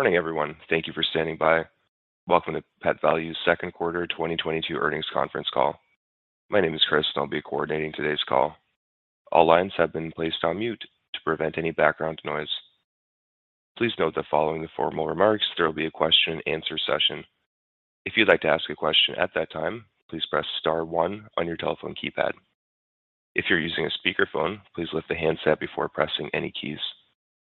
Morning, everyone. Thank you for standing by. Welcome to Pet Valu's second quarter 2022 earnings conference call. My name is Chris, and I'll be coordinating today's call. All lines have been placed on mute to prevent any background noise. Please note that following the formal remarks, there will be a question and answer session. If you'd like to ask a question at that time, please press star one on your telephone keypad. If you're using a speakerphone, please lift the handset before pressing any keys.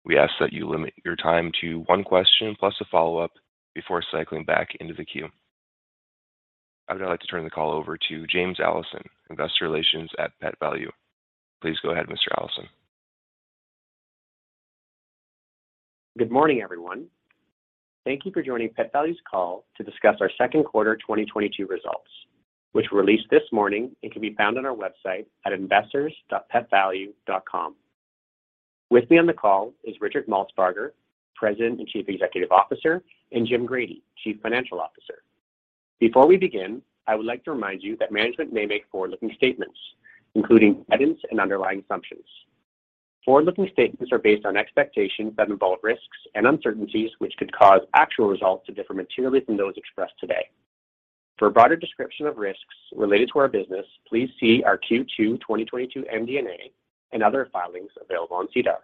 We ask that you limit your time to one question plus a follow-up before cycling back into the queue. I would now like to turn the call over to James Allison, Investor Relations at Pet Valu. Please go ahead, Mr. Allison. Good morning, everyone. Thank you for joining Pet Valu's call to discuss our second quarter 2022 results, which were released this morning and can be found on our website at investors.petvalu.com. With me on the call is Richard Maltsbarger, President and Chief Executive Officer, and Jim Grady, Chief Financial Officer. Before we begin, I would like to remind you that management may make forward-looking statements, including evidence and underlying assumptions. Forward-looking statements are based on expectations that involve risks and uncertainties which could cause actual results to differ materially from those expressed today. For a broader description of risks related to our business, please see our Q2 2022 MD&A and other filings available on SEDAR.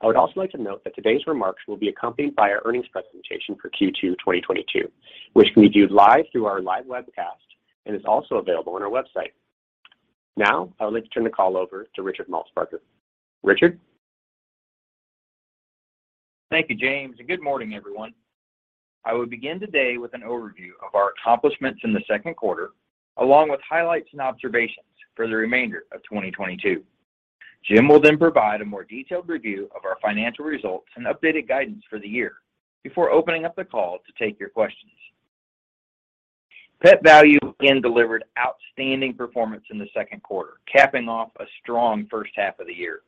I would also like to note that today's remarks will be accompanied by our earnings presentation for Q2 2022, which can be viewed live through our live webcast and is also available on our website. Now, I would like to turn the call over to Richard Maltsbarger. Richard? Thank you, James, and good morning, everyone. I will begin today with an overview of our accomplishments in the second quarter, along with highlights and observations for the remainder of 2022. Jim will then provide a more detailed review of our financial results and updated guidance for the year before opening up the call to take your questions. Pet Valu again delivered outstanding performance in the second quarter, capping off a strong first half of the year.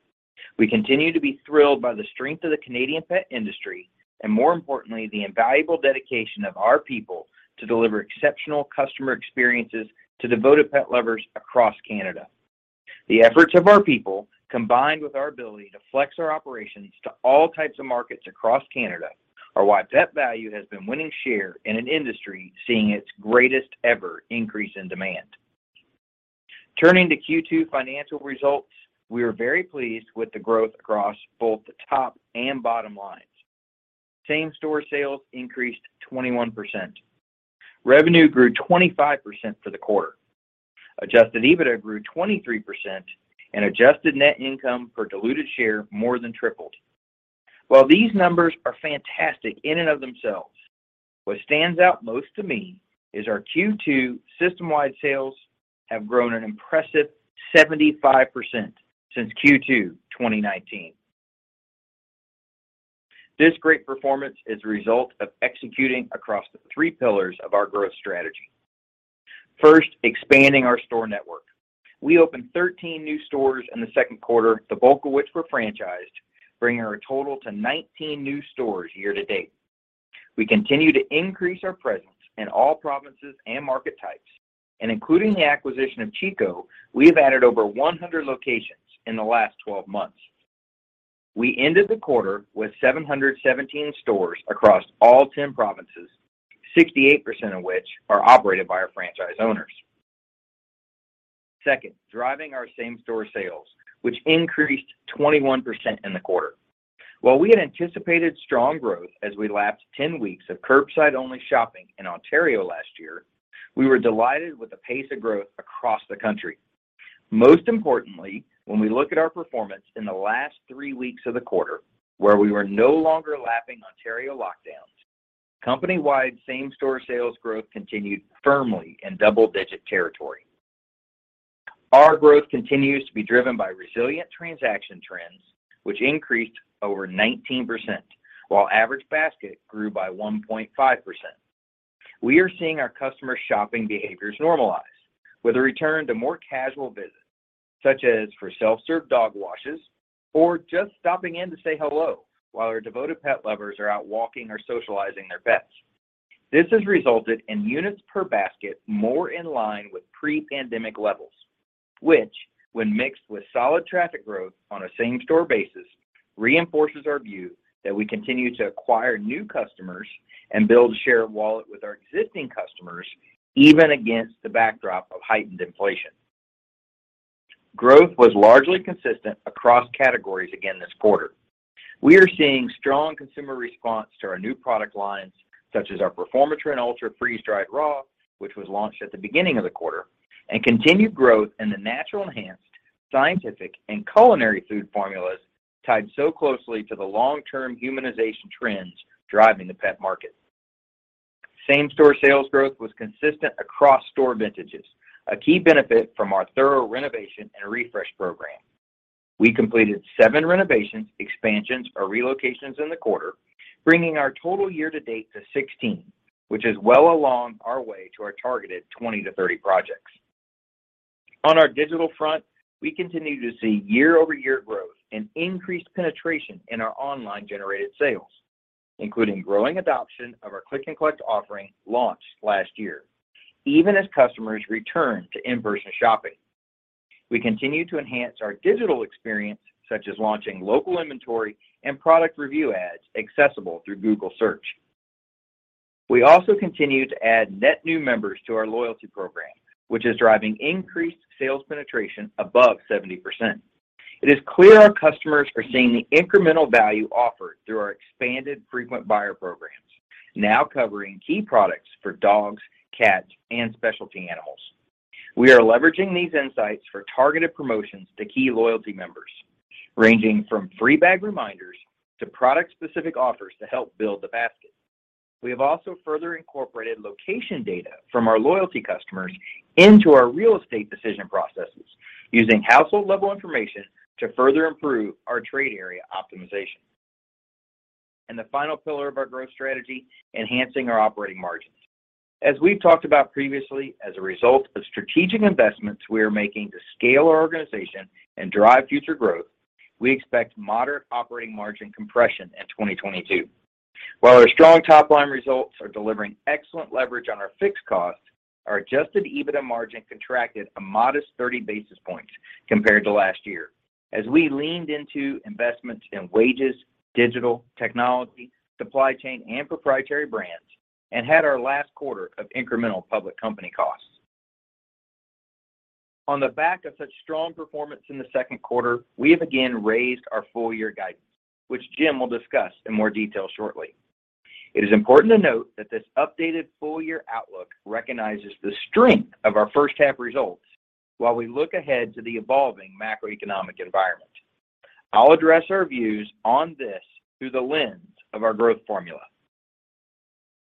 We continue to be thrilled by the strength of the Canadian pet industry and, more importantly, the invaluable dedication of our people to deliver exceptional customer experiences to devoted pet lovers across Canada. The efforts of our people, combined with our ability to flex our operations to all types of markets across Canada, are why Pet Valu has been winning share in an industry seeing its greatest ever increase in demand. Turning to Q2 financial results, we are very pleased with the growth across both the top and bottom lines. Same-store sales increased 21%. Revenue grew 25% for the quarter. Adjusted EBITDA grew 23%, and adjusted net income per diluted share more than tripled. While these numbers are fantastic in and of themselves, what stands out most to me is our Q2 system-wide sales have grown an impressive 75% since Q2 2019. This great performance is a result of executing across the three pillars of our growth strategy. First, expanding our store network. We opened 13 new stores in the second quarter, the bulk of which were franchised, bringing our total to 19 new stores year to date. We continue to increase our presence in all provinces and market types, and including the acquisition of Chico, we have added over 100 locations in the last 12 months. We ended the quarter with 717 stores across all 10 provinces, 68% of which are operated by our franchise owners. Second, driving our same-store sales, which increased 21% in the quarter. While we had anticipated strong growth as we lapped 10 weeks of curbside-only shopping in Ontario last year, we were delighted with the pace of growth across the country. Most importantly, when we look at our performance in the last three weeks of the quarter, where we were no longer lapping Ontario lockdowns, company-wide same-store sales growth continued firmly in double-digit territory. Our growth continues to be driven by resilient transaction trends, which increased over 19%, while average basket grew by 1.5%. We are seeing our customer shopping behaviors normalize with a return to more casual visits, such as for self-serve dog washes or just stopping in to say hello while our devoted pet lovers are out walking or socializing their pets. This has resulted in units per basket more in line with pre-pandemic levels, which, when mixed with solid traffic growth on a same-store basis, reinforces our view that we continue to acquire new customers and build share of wallet with our existing customers, even against the backdrop of heightened inflation. Growth was largely consistent across categories again this quarter. We are seeing strong consumer response to our new product lines, such as our Performatrin Ultra Freeze-Dried Raw, which was launched at the beginning of the quarter, and continued growth in the natural enhanced, scientific, and culinary food formulas tied so closely to the long-term humanization trends driving the pet market. Same-store sales growth was consistent across store vintages, a key benefit from our thorough renovation and refresh program. We completed seven renovations, expansions, or relocations in the quarter, bringing our total year to date to 16, which is well along our way to our targeted 20-30 projects. On our digital front, we continue to see year-over-year growth and increased penetration in our online-generated sales, including growing adoption of our click and collect offering launched last year, even as customers return to in-person shopping. We continue to enhance our digital experience, such as launching local inventory and product review ads accessible through Google Search. We also continue to add net new members to our loyalty program, which is driving increased sales penetration above 70%. It is clear our customers are seeing the incremental value offered through our expanded frequent buyer programs, now covering key products for dogs, cats, and specialty animals. We are leveraging these insights for targeted promotions to key loyalty members, ranging from free bag reminders to product-specific offers to help build the basket. We have also further incorporated location data from our loyalty customers into our real estate decision processes using household-level information to further improve our trade area optimization. The final pillar of our growth strategy, enhancing our operating margins. As we've talked about previously, as a result of strategic investments we are making to scale our organization and drive future growth, we expect moderate operating margin compression in 2022. While our strong top-line results are delivering excellent leverage on our fixed costs, our adjusted EBITDA margin contracted a modest 30 basis points compared to last year as we leaned into investments in wages, digital technology, supply chain, and proprietary brands, and had our last quarter of incremental public company costs. On the back of such strong performance in the second quarter, we have again raised our full year guidance, which Jim will discuss in more detail shortly. It is important to note that this updated full-year outlook recognizes the strength of our first half results while we look ahead to the evolving macroeconomic environment. I'll address our views on this through the lens of our growth formula.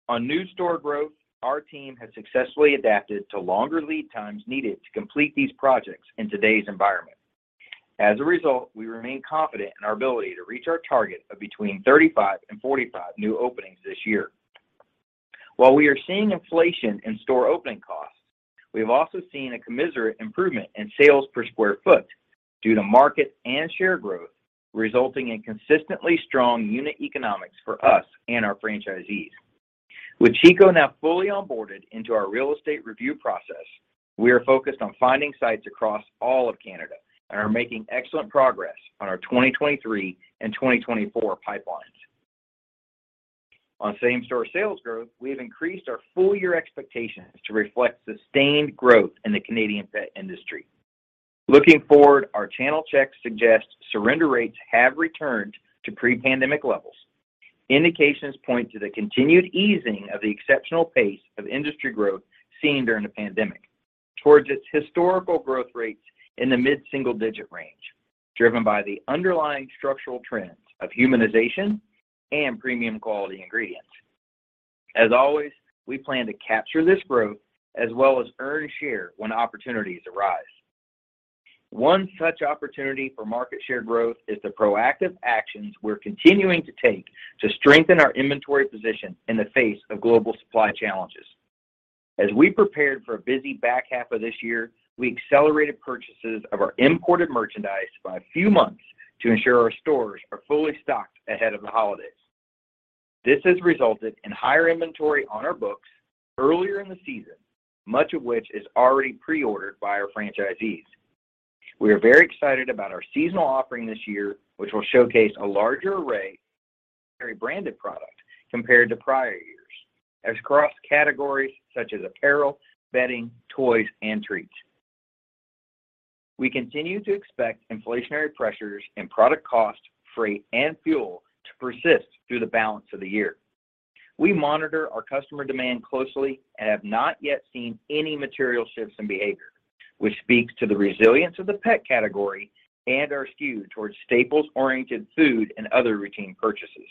On new store growth, our team has successfully adapted to longer lead times needed to complete these projects in today's environment. As a result, we remain confident in our ability to reach our target of between 35 and 45 new openings this year. While we are seeing inflation in store opening costs, we have also seen a commensurate improvement in sales per square foot due to market and share growth, resulting in consistently strong unit economics for us and our franchisees. With Chico now fully onboarded into our real estate review process, we are focused on finding sites across all of Canada and are making excellent progress on our 2023 and 2024 pipelines. On same-store sales growth, we have increased our full-year expectations to reflect sustained growth in the Canadian pet industry. Looking forward, our channel checks suggest surrender rates have returned to pre-pandemic levels. Indications point to the continued easing of the exceptional pace of industry growth seen during the pandemic towards its historical growth rates in the mid-single-digit range, driven by the underlying structural trends of humanization and premium quality ingredients. As always, we plan to capture this growth as well as earn share when opportunities arise. One such opportunity for market share growth is the proactive actions we're continuing to take to strengthen our inventory position in the face of global supply challenges. As we prepared for a busy back half of this year, we accelerated purchases of our imported merchandise by a few months to ensure our stores are fully stocked ahead of the holidays. This has resulted in higher inventory on our books earlier in the season, much of which is already pre-ordered by our franchisees. We are very excited about our seasonal offering this year, which will showcase a larger array of our branded products compared to prior years across categories such as apparel, bedding, toys, and treats. We continue to expect inflationary pressures in product cost, freight, and fuel to persist through the balance of the year. We monitor our customer demand closely and have not yet seen any material shifts in behavior, which speaks to the resilience of the pet category and our skew towards staples-oriented food and other routine purchases.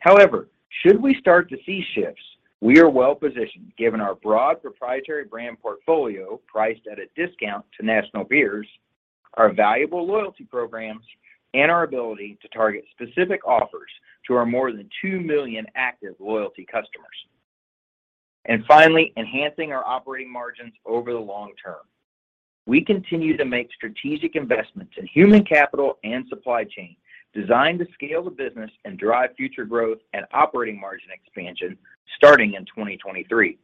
However, should we start to see shifts, we are well-positioned, given our broad proprietary brand portfolio priced at a discount to national peers, our valuable loyalty programs, and our ability to target specific offers to our more than 2 million active loyalty customers. Finally, enhancing our operating margins over the long term. We continue to make strategic investments in human capital and supply chain designed to scale the business and drive future growth and operating margin expansion starting in 2023.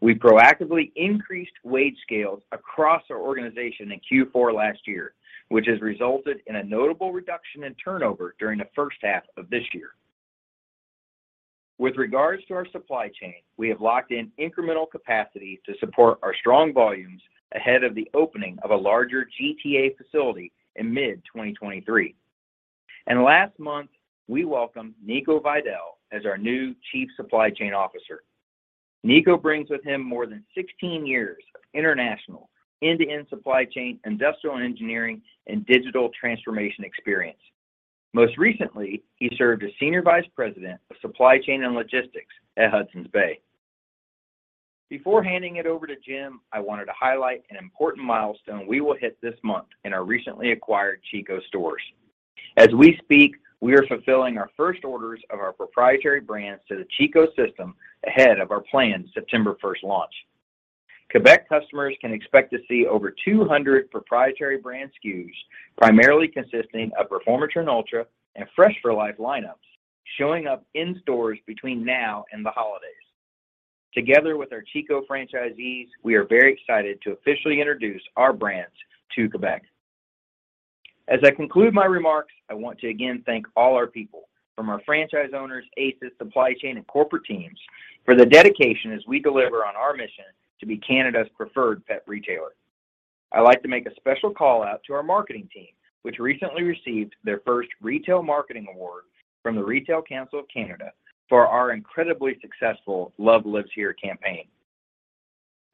We proactively increased wage scales across our organization in Q4 last year, which has resulted in a notable reduction in turnover during the first half of this year. With regards to our supply chain, we have locked in incremental capacity to support our strong volumes ahead of the opening of a larger GTA facility in mid-2023. Last month, we welcomed Nico Weidel as our new Chief Supply Chain Officer. Nico brings with him more than 16 years of international end-to-end supply chain, industrial engineering, and digital transformation experience. Most recently, he served as Senior Vice President of Supply Chain and Logistics at Hudson's Bay. Before handing it over to Jim, I wanted to highlight an important milestone we will hit this month in our recently acquired Chico stores. As we speak, we are fulfilling our first orders of our proprietary brands to the Chico system ahead of our planned September 1 launch. Quebec customers can expect to see over 200 proprietary brand SKUs, primarily consisting of Performatrin Ultra and Fresh 4 Life lineups, showing up in stores between now and the holidays. Together with our Chico franchisees, we are very excited to officially introduce our brands to Quebec. As I conclude my remarks, I want to again thank all our people, from our franchise owners, ACEs, supply chain, and corporate teams for the dedication as we deliver on our mission to be Canada's preferred pet retailer. I'd like to make a special call-out to our marketing team, which recently received their first Retail Marketing Award from the Retail Council of Canada for our incredibly successful Love Lives Here campaign.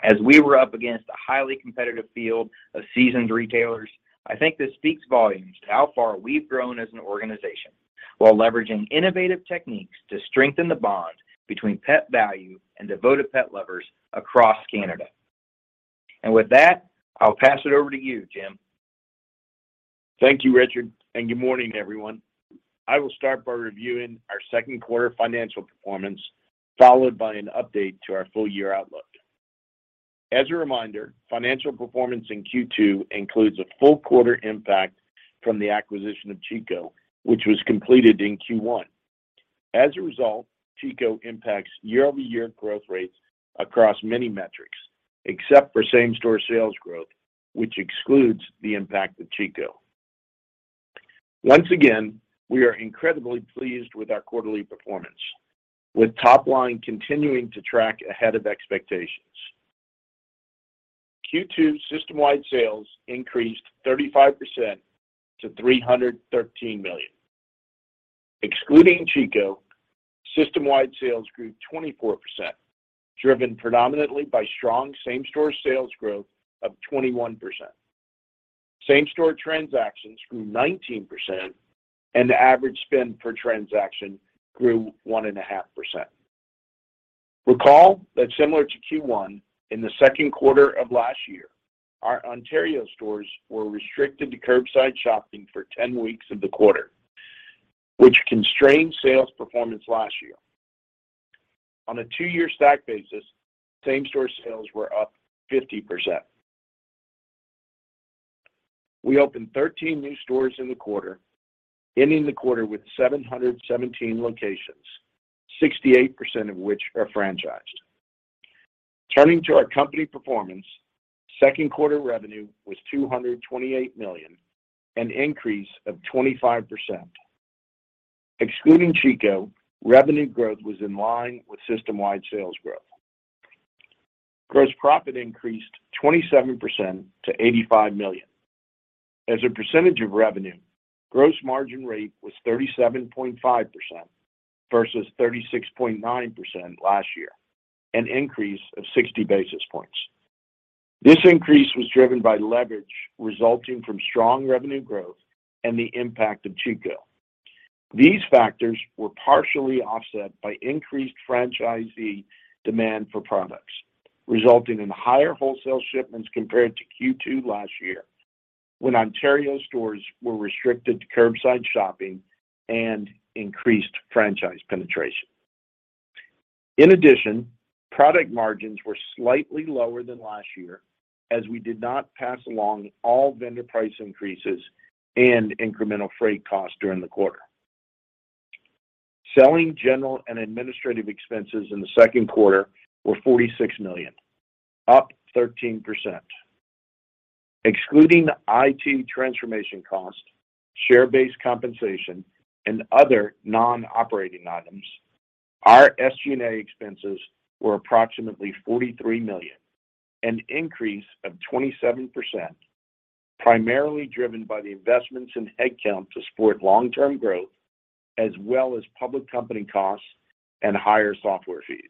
As we were up against a highly competitive field of seasoned retailers, I think this speaks volumes to how far we've grown as an organization while leveraging innovative techniques to strengthen the bond between Pet Valu and devoted pet lovers across Canada. With that, I'll pass it over to you, Jim. Thank you, Richard, and good morning, everyone. I will start by reviewing our second quarter financial performance, followed by an update to our full-year outlook. As a reminder, financial performance in Q2 includes a full quarter impact from the acquisition of Chico, which was completed in Q1. As a result, Chico impacts year-over-year growth rates across many metrics, except for same-store sales growth, which excludes the impact of Chico. Once again, we are incredibly pleased with our quarterly performance, with top line continuing to track ahead of expectations. Q2 system-wide sales increased 35% to 313 million. Excluding Chico, system-wide sales grew 24%, driven predominantly by strong same-store sales growth of 21%. Same-store transactions grew 19% and the average spend per transaction grew 1.5%. Recall that similar to Q1, in the second quarter of last year, our Ontario stores were restricted to curbside shopping for 10 weeks of the quarter, which constrained sales performance last year. On a two-year stack basis, same-store sales were up 50%. We opened 13 new stores in the quarter, ending the quarter with 717 locations, 68% of which are franchised. Turning to our company performance, second quarter revenue was 228 million, an increase of 25%. Excluding Chico, revenue growth was in line with system-wide sales growth. Gross profit increased 27% to 85 million. As a percentage of revenue, gross margin rate was 37.5% versus 36.9% last year, an increase of 60 basis points. This increase was driven by leverage resulting from strong revenue growth and the impact of Chico. These factors were partially offset by increased franchisee demand for products, resulting in higher wholesale shipments compared to Q2 last year, when Ontario stores were restricted to curbside shopping and increased franchise penetration. In addition, product margins were slightly lower than last year, as we did not pass along all vendor price increases and incremental freight costs during the quarter. Selling, general, and administrative expenses in the second quarter were 46 million, up 13%. Excluding IT transformation costs, share-based compensation, and other non-operating items, our SG&A expenses were approximately 43 million, an increase of 27%, primarily driven by the investments in headcount to support long-term growth, as well as public company costs and higher software fees.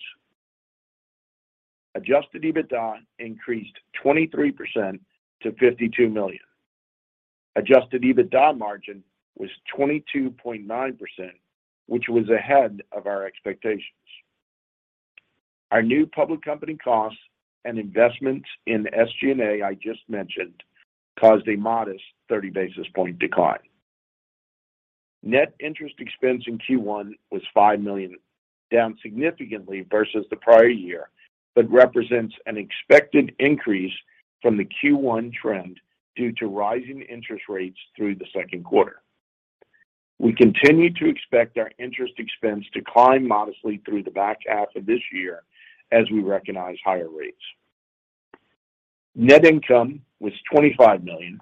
Adjusted EBITDA increased 23% to 52 million. Adjusted EBITDA margin was 22.9%, which was ahead of our expectations. Our new public company costs and investments in SG&A, I just mentioned, caused a modest 30 basis points decline. Net interest expense in Q1 was 5 million, down significantly versus the prior year, but represents an expected increase from the Q1 trend due to rising interest rates through the second quarter. We continue to expect our interest expense to climb modestly through the back half of this year as we recognize higher rates. Net income was 25 million,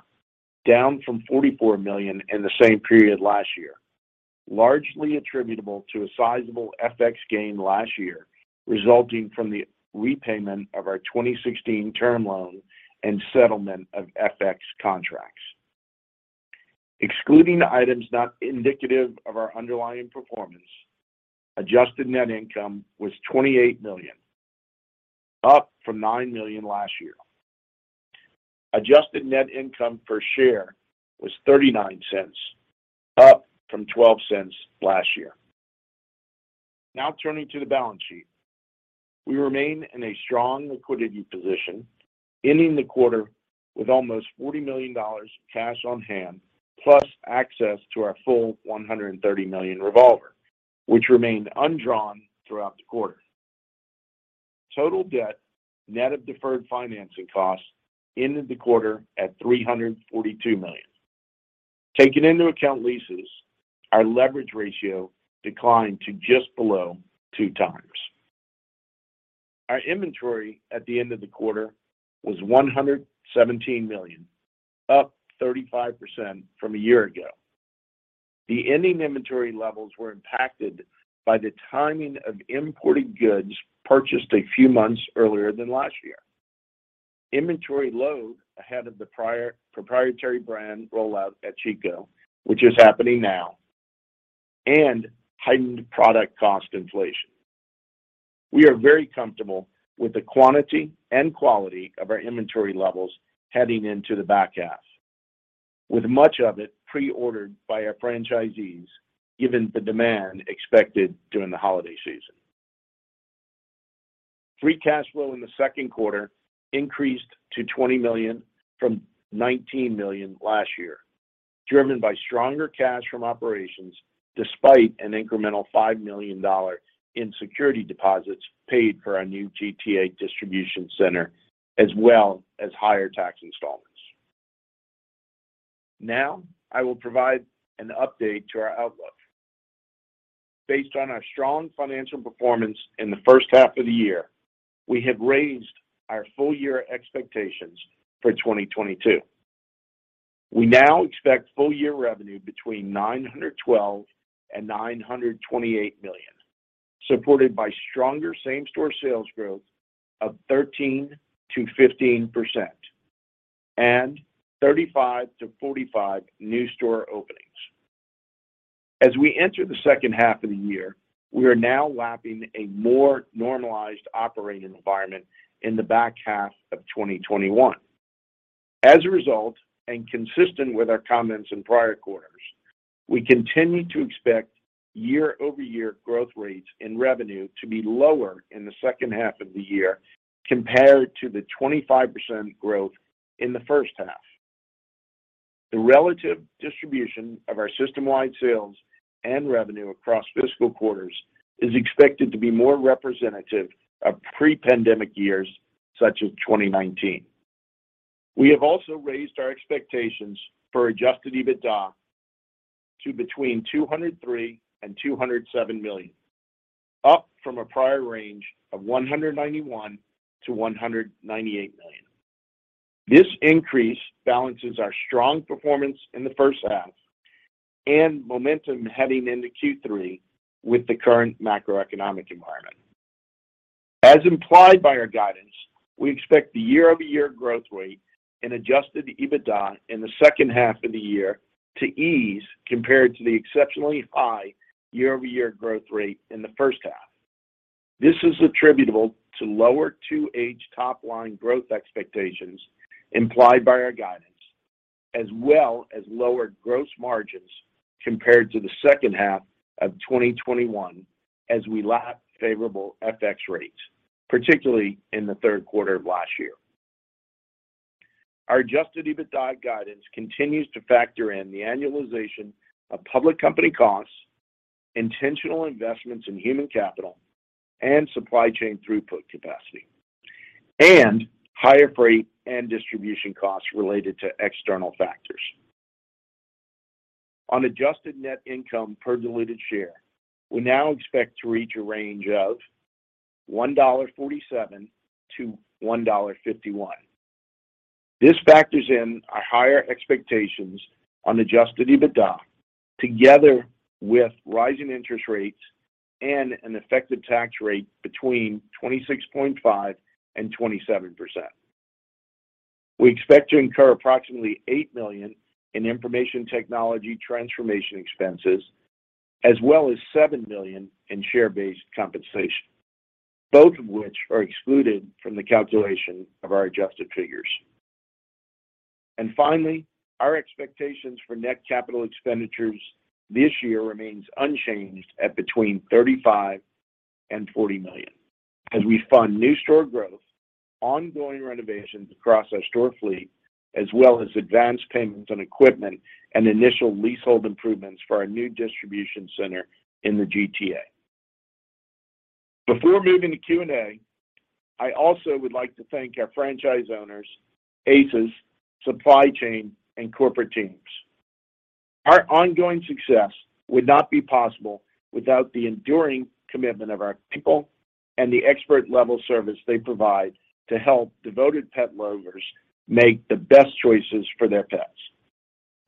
down from 44 million in the same period last year, largely attributable to a sizable FX gain last year, resulting from the repayment of our 2016 term loan and settlement of FX contracts. Excluding the items not indicative of our underlying performance, adjusted net income was 28 million, up from 9 million last year. Adjusted net income per share was 0.39, up from 0.12 last year. Now turning to the balance sheet. We remain in a strong liquidity position, ending the quarter with almost 40 million dollars cash on hand, plus access to our full 130 million revolver, which remained undrawn throughout the quarter. Total debt, net of deferred financing costs, ended the quarter at 342 million. Taking into account leases, our leverage ratio declined to just below 2x. Our inventory at the end of the quarter was 117 million, up 35% from a year ago. The ending inventory levels were impacted by the timing of imported goods purchased a few months earlier than last year. Inventory load ahead of the prior proprietary brand rollout at Chico, which is happening now, and heightened product cost inflation. We are very comfortable with the quantity and quality of our inventory levels heading into the back half, with much of it pre-ordered by our franchisees given the demand expected during the holiday season. Free cash flow in the second quarter increased to 20 million from 19 million last year, driven by stronger cash from operations despite an incremental 5 million dollar in security deposits paid for our new GTA distribution center, as well as higher tax installments. Now, I will provide an update to our outlook. Based on our strong financial performance in the first half of the year, we have raised our full year expectations for 2022. We now expect full year revenue between 912 million and 928 million, supported by stronger same-store sales growth of 13%-15% and 35-45 new store openings. As we enter the second half of the year, we are now lapping a more normalized operating environment in the back half of 2021. As a result, and consistent with our comments in prior quarters, we continue to expect year-over-year growth rates in revenue to be lower in the second half of the year compared to the 25% growth in the first half. The relative distribution of our system-wide sales and revenue across fiscal quarters is expected to be more representative of pre-pandemic years, such as 2019. We have also raised our expectations for adjusted EBITDA to between 203 million and 207 million, up from a prior range of 191 million-198 million. This increase balances our strong performance in the first half and momentum heading into Q3 with the current macroeconomic environment. As implied by our guidance, we expect the year-over-year growth rate and adjusted EBITDA in the second half of the year to ease compared to the exceptionally high year-over-year growth rate in the first half. This is attributable to lower topline growth expectations implied by our guidance, as well as lower gross margins compared to the second half of 2021 as we lap favorable FX rates, particularly in the third quarter of last year. Our adjusted EBITDA guidance continues to factor in the annualization of public company costs, intentional investments in human capital and supply chain throughput capacity, and higher freight and distribution costs related to external factors. On adjusted net income per diluted share, we now expect to reach a range of 1.47-1.51 dollar. This factors in our higher expectations on adjusted EBITDA together with rising interest rates and an effective tax rate between 26.5% and 27%. We expect to incur approximately 8 million in information technology transformation expenses as well as 7 million in share-based compensation, both of which are excluded from the calculation of our adjusted figures. Finally, our expectations for net capital expenditures this year remains unchanged at between 35 million and 40 million as we fund new store growth, ongoing renovations across our store fleet, as well as advanced payments on equipment and initial leasehold improvements for our new distribution center in the GTA. Before moving to Q&A, I also would like to thank our franchise owners, ACEs, supply chain, and corporate teams. Our ongoing success would not be possible without the enduring commitment of our people and the expert-level service they provide to help devoted pet lovers make the best choices for their pets.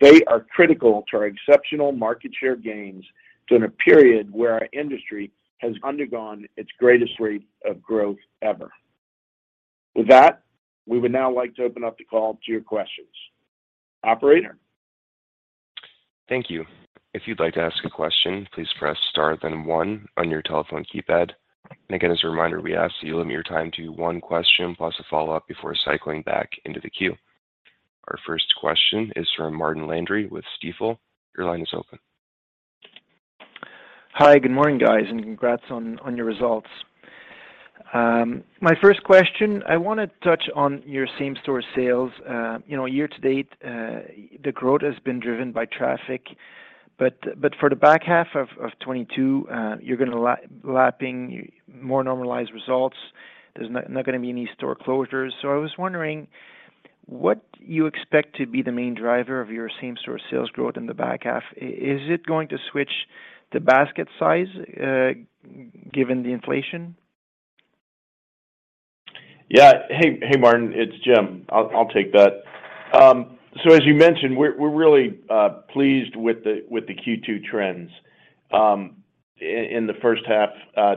They are critical to our exceptional market share gains during a period where our industry has undergone its greatest rate of growth ever. With that, we would now like to open up the call to your questions. Operator? Thank you. If you'd like to ask a question, please press star then one on your telephone keypad. Again, as a reminder, we ask that you limit your time to one question plus a follow-up before cycling back into the queue. Our first question is from Martin Landry with Stifel. Your line is open. Hi, good morning, guys, and congrats on your results. My first question, I wanna touch on your same-store sales. You know, year to date, the growth has been driven by traffic. But for the back half of 2022, you're gonna lapping more normalized results. There's not gonna be any store closures. So I was wondering what you expect to be the main driver of your same-store sales growth in the back half. Is it going to switch to basket size, given the inflation? Yeah. Hey, Martin, it's Jim. I'll take that. As you mentioned, we're really pleased with the Q2 trends in the first half.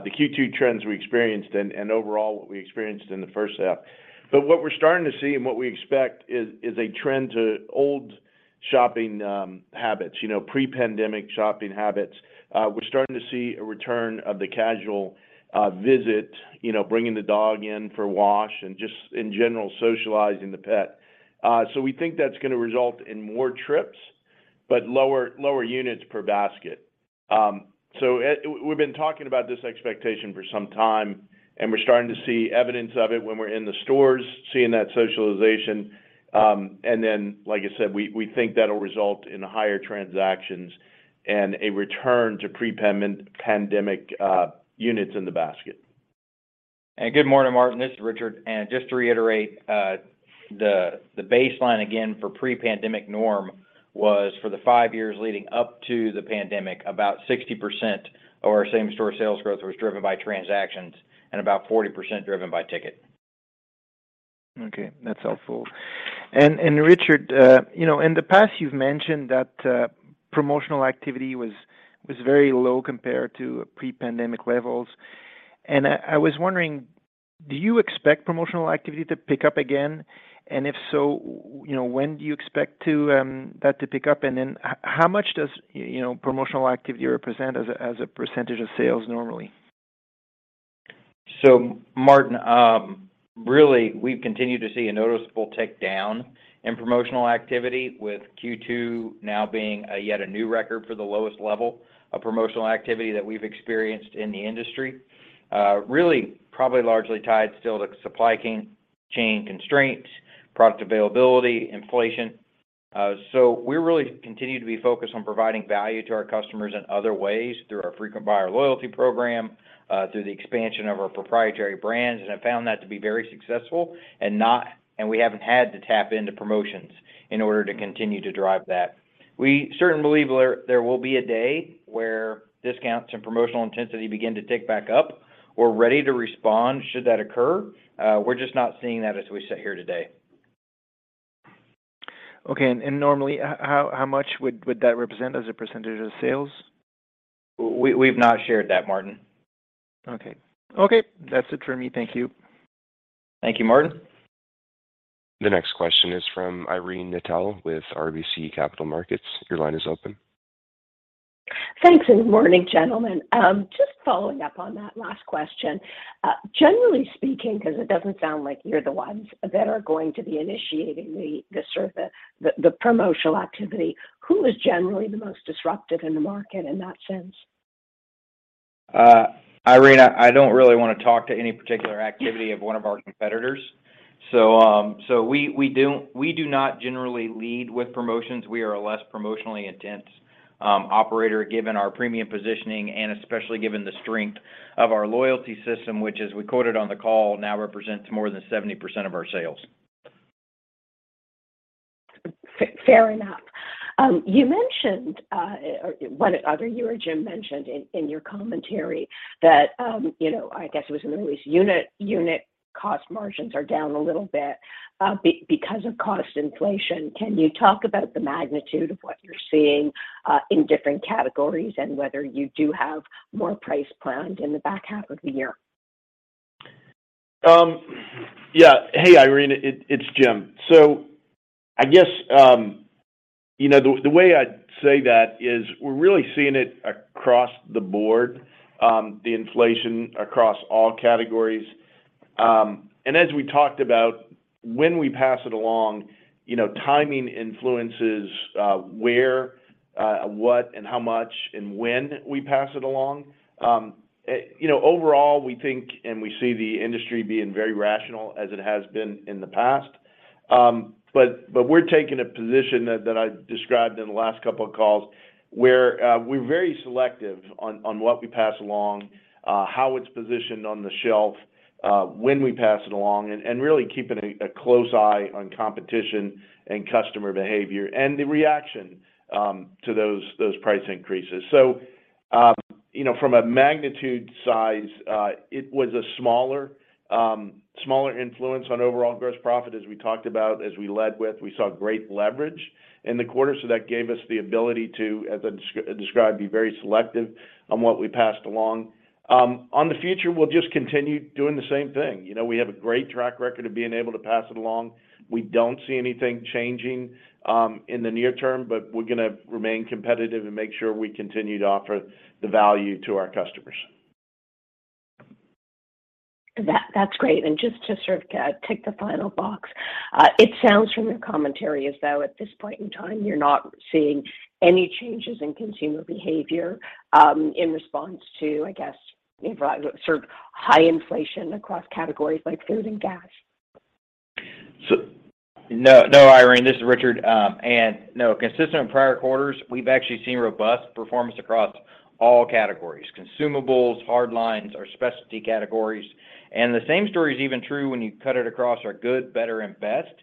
The Q2 trends we experienced and overall what we experienced in the first half. What we're starting to see and what we expect is a trend to old shopping habits, you know, pre-pandemic shopping habits. We're starting to see a return of the casual visit, you know, bringing the dog in for a wash and just in general socializing the pet. We think that's gonna result in more trips, but lower units per basket. We've been talking about this expectation for some time, and we're starting to see evidence of it when we're in the stores, seeing that socialization. Like I said, we think that'll result in higher transactions and a return to pre-pandemic units in the basket. Good morning, Martin, this is Richard. Just to reiterate, the baseline again for pre-pandemic norm was for the five years leading up to the pandemic, about 60% of our same-store sales growth was driven by transactions and about 40% driven by ticket. Okay, that's helpful. Richard, you know, in the past you've mentioned that promotional activity was very low compared to pre-pandemic levels. I was wondering, do you expect promotional activity to pick up again? If so, you know, when do you expect that to pick up? How much does, you know, promotional activity represent as a percentage of sales normally? Martin, really we've continued to see a noticeable tick down in promotional activity with Q2 now being yet another record for the lowest level of promotional activity that we've experienced in the industry. Really probably largely tied still to supply chain constraints, product availability, inflation. We really continue to be focused on providing value to our customers in other ways through our frequent buyer loyalty program, through the expansion of our proprietary brands, and have found that to be very successful. We haven't had to tap into promotions in order to continue to drive that. We certainly believe there will be a day where discounts and promotional intensity begin to tick back up. We're ready to respond should that occur. We're just not seeing that as we sit here today. Normally, how much would that represent as a percentage of sales? We've not shared that, Martin. Okay. Okay, that's it for me. Thank you. Thank you, Martin. The next question is from Irene Nattel with RBC Capital Markets. Your line is open. Thanks, and good morning, gentlemen. Just following up on that last question. Generally speaking, 'cause it doesn't sound like you're the ones that are going to be initiating the promotional activity, who is generally the most disruptive in the market in that sense? Irene, I don't really wanna talk to any particular activity of one of our competitors. We do not generally lead with promotions. We are a less promotionally intense operator, given our premium positioning and especially given the strength of our loyalty system, which as we quoted on the call, now represents more than 70% of our sales. Fair enough. You mentioned or whether you or Jim mentioned in your commentary that, you know, I guess it was in the release, unit cost margins are down a little bit, because of cost inflation. Can you talk about the magnitude of what you're seeing in different categories and whether you do have more price planned in the back half of the year? Yeah. Hey, Irene, it's Jim. I guess, you know, the way I'd say that is we're really seeing it across the board, the inflation across all categories. As we talked about, when we pass it along, you know, timing influences where, what and how much and when we pass it along. You know, overall, we think and we see the industry being very rational as it has been in the past. But we're taking a position that I described in the last couple of calls where we're very selective on what we pass along, how it's positioned on the shelf, when we pass it along, and really keeping a close eye on competition and customer behavior and the reaction to those price increases. You know, from a magnitude size, it was a smaller influence on overall gross profit as we talked about, as we led with. We saw great leverage in the quarter, so that gave us the ability to, as I described, be very selective on what we passed along. In the future, we'll just continue doing the same thing. You know, we have a great track record of being able to pass it along. We don't see anything changing in the near term, but we're gonna remain competitive and make sure we continue to offer the value to our customers. That's great. Just to sort of tick the final box, it sounds from your commentary as though at this point in time, you're not seeing any changes in consumer behavior, in response to, I guess, sort of high inflation across categories like food and gas. No, no, Irene, this is Richard. No, consistent with prior quarters, we've actually seen robust performance across all categories. Consumables, hard lines, our specialty categories. The same story is even true when you cut it across our good, better, and best.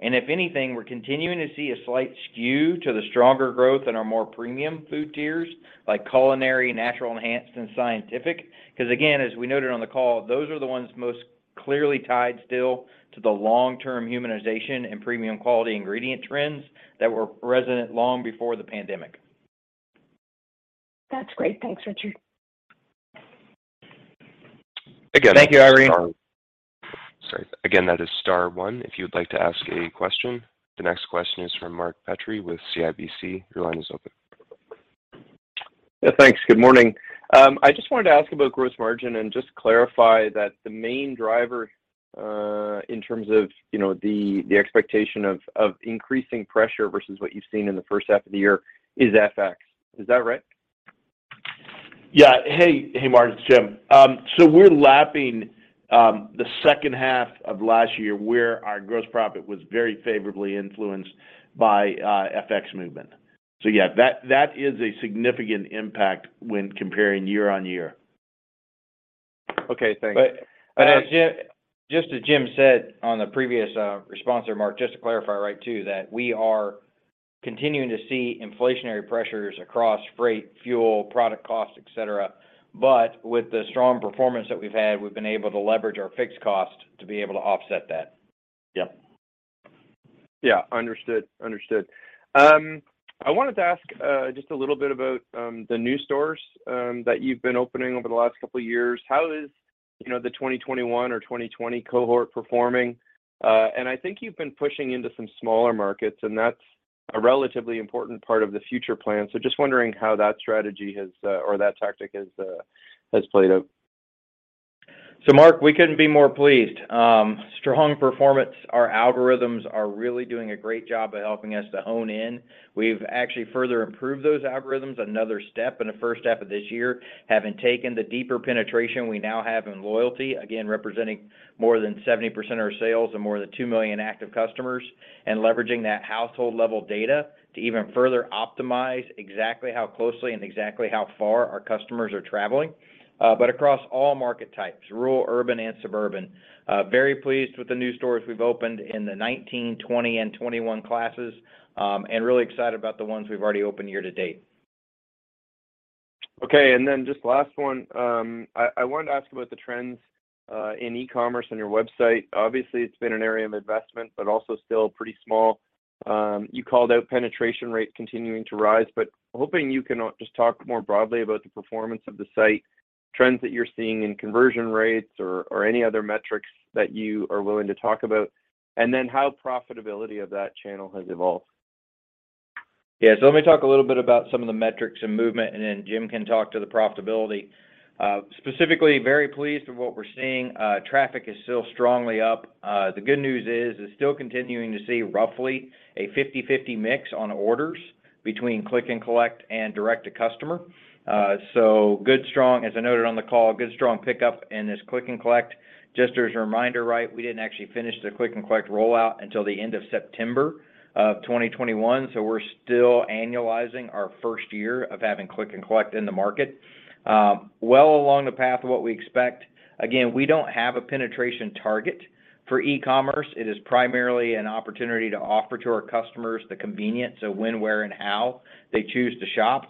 If anything, we're continuing to see a slight skew to the stronger growth in our more premium food tiers, like culinary, natural enhanced, and scientific. 'Cause again, as we noted on the call, those are the ones most clearly tied still to the long-term humanization and premium quality ingredient trends that were resonant long before the pandemic. That's great. Thanks, Richard. Thank you, Irene. Again, that is star one if you would like to ask a question. The next question is from Mark Petrie with CIBC. Your line is open. Yeah, thanks. Good morning. I just wanted to ask about gross margin and just clarify that the main driver, in terms of, you know, the expectation of increasing pressure versus what you've seen in the first half of the year is FX. Is that right? Hey, Mark, it's Jim. We're lapping the second half of last year, where our gross profit was very favorably influenced by FX movement. Yeah, that is a significant impact when comparing year-over-year. Okay, thanks. As Jim said on the previous response there, Mark, just to clarify, right, too, that we are continuing to see inflationary pressures across freight, fuel, product cost, et cetera. With the strong performance that we've had, we've been able to leverage our fixed cost to be able to offset that. Yep. Yeah, understood. I wanted to ask just a little bit about the new stores that you've been opening over the last couple years. How is, you know, the 2021 or 2020 cohort performing? I think you've been pushing into some smaller markets, and that's a relatively important part of the future plan. Just wondering how that strategy or that tactic has played out. Mark, we couldn't be more pleased. Strong performance. Our algorithms are really doing a great job of helping us to hone in. We've actually further improved those algorithms another step in the first half of this year, having taken the deeper penetration we now have in loyalty, again, representing more than 70% of our sales and more than 2 million active customers, and leveraging that household level data to even further optimize exactly how closely and exactly how far our customers are traveling. Across all market types, rural, urban, and suburban. Very pleased with the new stores we've opened in the 2019, 2020, and 2021 classes, and really excited about the ones we've already opened year to date. Okay. Just last one. I wanted to ask about the trends in e-commerce on your website. Obviously, it's been an area of investment, but also still pretty small. You called out penetration rate continuing to rise, but hoping you can just talk more broadly about the performance of the site, trends that you're seeing in conversion rates or any other metrics that you are willing to talk about, and then how profitability of that channel has evolved. Yeah. Let me talk a little bit about some of the metrics and movement, and then Jim can talk to the profitability. Specifically, very pleased with what we're seeing. Traffic is still strongly up. The good news is still continuing to see roughly a 50/50 mix on orders between click and collect and direct to customer. Good, strong, as I noted on the call, good, strong pickup in this click and collect. Just as a reminder, right, we didn't actually finish the click and collect rollout until the end of September of 2021, so we're still annualizing our first year of having click and collect in the market. Well along the path of what we expect. Again, we don't have a penetration target for e-commerce. It is primarily an opportunity to offer to our customers the convenience of when, where, and how they choose to shop.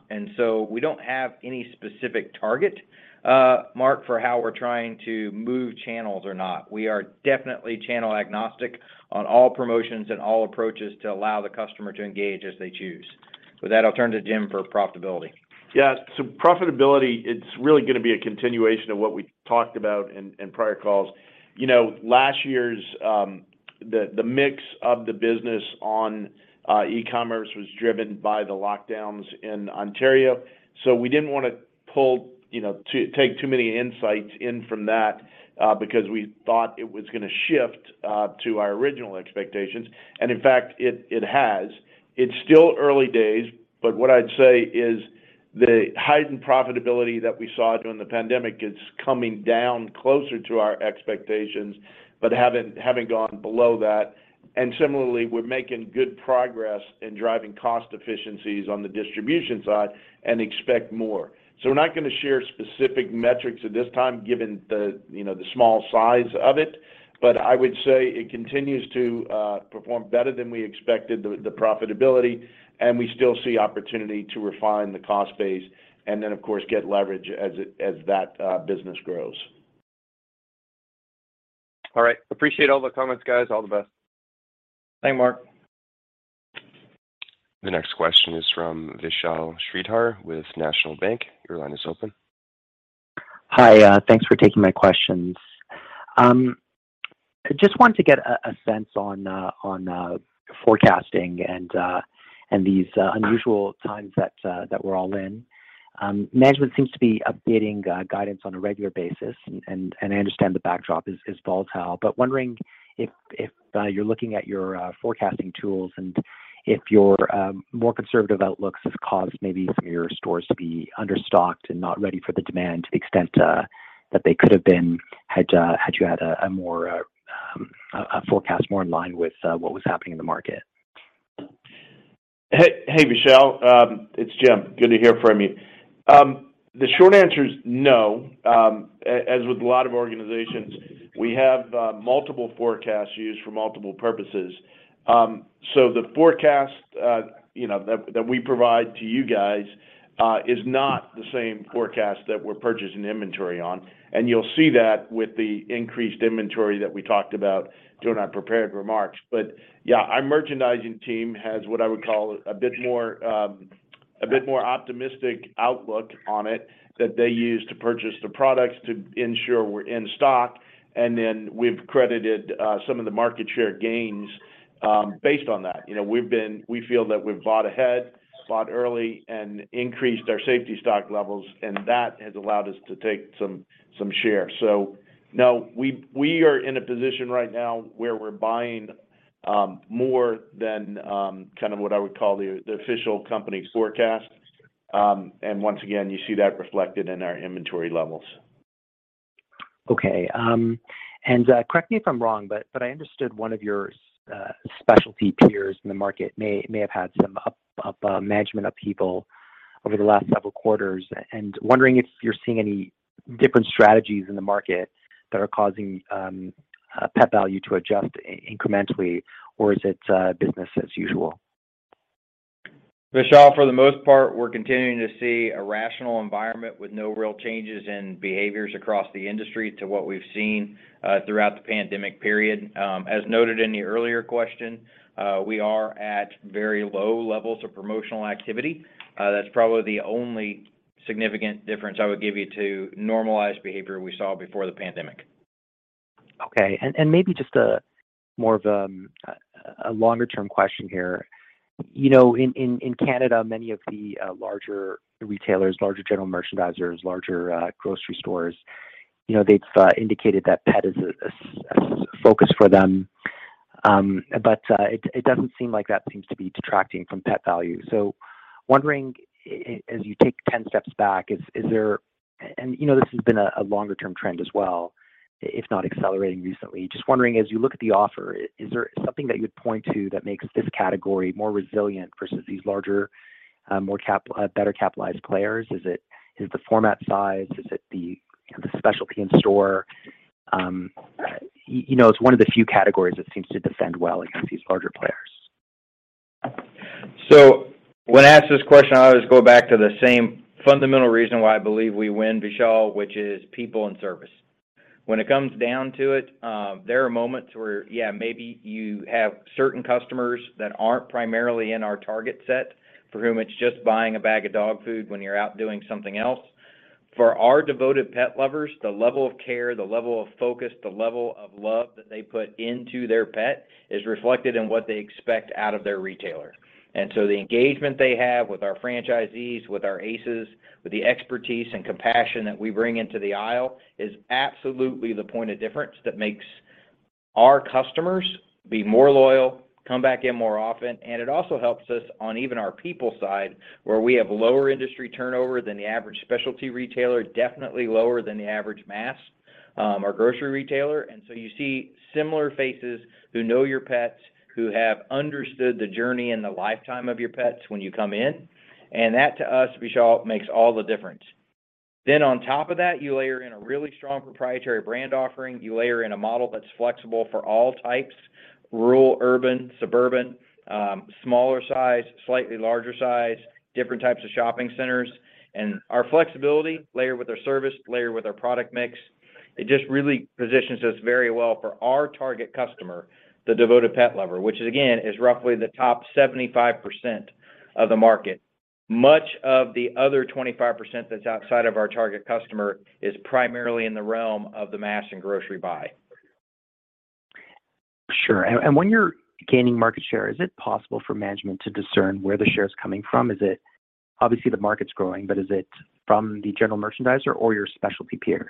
We don't have any specific target, Mark, for how we're trying to move channels or not. We are definitely channel agnostic on all promotions and all approaches to allow the customer to engage as they choose. With that, I'll turn it to Jim for profitability. Yeah. Profitability, it's really gonna be a continuation of what we talked about in prior calls. You know, last year's the mix of the business on e-commerce was driven by the lockdowns in Ontario. We didn't wanna pull, you know, take too many insights in from that, because we thought it was gonna shift to our original expectations. In fact, it has. It's still early days, but what I'd say is the heightened profitability that we saw during the pandemic is coming down closer to our expectations, but haven't gone below that. Similarly, we're making good progress in driving cost efficiencies on the distribution side and expect more. We're not gonna share specific metrics at this time, given the you know, the small size of it. I would say it continues to perform better than we expected, the profitability, and we still see opportunity to refine the cost base and then of course get leverage as that business grows. All right. Appreciate all the comments, guys. All the best. Thanks, Mark. The next question is from Vishal Shreedhar with National Bank Financial. Your line is open. Hi. Thanks for taking my questions. Just wanted to get a sense on forecasting and these unusual times that we're all in. Management seems to be updating guidance on a regular basis, and I understand the backdrop is volatile. Wondering if you're looking at your forecasting tools and if your more conservative outlooks have caused maybe some of your stores to be understocked and not ready for the demand to the extent that they could have been had you had a forecast more in line with what was happening in the market. Hey, hey Vishal. It's Jim, good to hear from you. The short answer is no. As with a lot of organizations, we have multiple forecasts used for multiple purposes. So the forecast, you know, that we provide to you guys, is not the same forecast that we're purchasing inventory on. You'll see that with the increased inventory that we talked about during our prepared remarks. Yeah, our merchandising team has what I would call a bit more optimistic outlook on it that they use to purchase the products to ensure we're in stock. Then we've credited some of the market share gains based on that. You know, we feel that we've bought ahead, bought early, and increased our safety stock levels, and that has allowed us to take some share. No, we are in a position right now where we're buying more than kind of what I would call the official company forecast. Once again, you see that reflected in our inventory levels. Okay. Correct me if I'm wrong, but I understood one of your specialty peers in the market may have had some upheaval over the last several quarters. Wondering if you're seeing any different strategies in the market that are causing Pet Valu to adjust incrementally, or is it business as usual? Vishal, for the most part, we're continuing to see a rational environment with no real changes in behaviors across the industry to what we've seen throughout the pandemic period. As noted in the earlier question, we are at very low levels of promotional activity. That's probably the only significant difference I would give you to normalized behavior we saw before the pandemic. Okay. Maybe just a longer term question here. You know, in Canada, many of the larger retailers, larger general merchandisers, larger grocery stores, you know, they've indicated that pet is a focus for them. But it doesn't seem like that seems to be detracting from Pet Valu. So wondering, as you take 10 steps back, is there. You know, this has been a longer term trend as well, if not accelerating recently. Just wondering, as you look at the offer, is there something that you would point to that makes this category more resilient versus these larger, more better capitalized players? Is it the format size? Is it the specialty in store? you know, it's one of the few categories that seems to defend well against these larger players. When asked this question, I always go back to the same fundamental reason why I believe we win, Vishal, which is people and service. When it comes down to it, there are moments where, maybe you have certain customers that aren't primarily in our target set for whom it's just buying a bag of dog food when you're out doing something else. For our devoted pet lovers, the level of care, the level of focus, the level of love that they put into their pet is reflected in what they expect out of their retailer. The engagement they have with our franchisees, with our ACEs, with the expertise and compassion that we bring into the aisle, is absolutely the point of difference that makes our customers be more loyal, come back in more often. It also helps us on even our people side, where we have lower industry turnover than the average specialty retailer, definitely lower than the average mass, or grocery retailer. You see similar faces who know your pets, who have understood the journey and the lifetime of your pets when you come in. That to us, Vishal, makes all the difference. On top of that, you layer in a really strong proprietary brand offering. You layer in a model that's flexible for all types, rural, urban, suburban, smaller size, slightly larger size, different types of shopping centers. Our flexibility layered with our service, layered with our product mix, it just really positions us very well for our target customer, the devoted pet lover, which is again roughly the top 75% of the market. Much of the other 25% that's outside of our target customer is primarily in the realm of the mass and grocery buy. Sure. When you're gaining market share, is it possible for management to discern where the share is coming from? Is it, obviously, the market's growing, but is it from the general merchandiser or your specialty peers?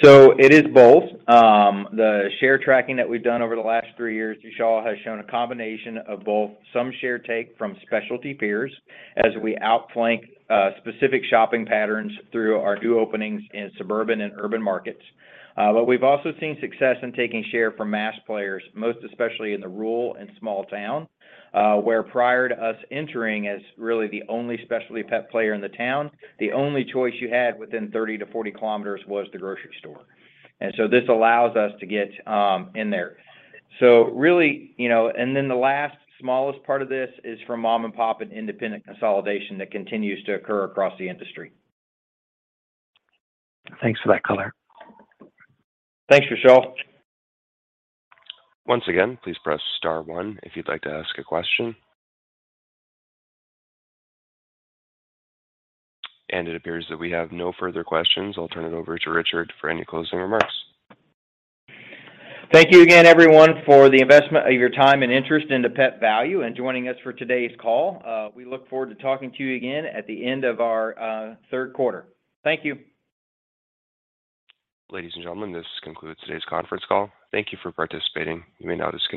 It is both. The share tracking that we've done over the last three years, Vishal, has shown a combination of both some share take from specialty peers as we outflank specific shopping patterns through our new openings in suburban and urban markets. We've also seen success in taking share from mass players, most especially in the rural and small town, where prior to us entering as really the only specialty pet player in the town, the only choice you had within 30 km-40 km was the grocery store. This allows us to get in there. Really, you know, and then the last smallest part of this is from mom and pop and independent consolidation that continues to occur across the industry. Thanks for that color. Thanks, Vishal. Once again, please press star one if you'd like to ask a question. It appears that we have no further questions. I'll turn it over to Richard for any closing remarks. Thank you again, everyone, for the investment of your time and interest into Pet Valu and joining us for today's call. We look forward to talking to you again at the end of our third quarter. Thank you. Ladies and gentlemen, this concludes today's conference call. Thank you for participating. You may now disconnect.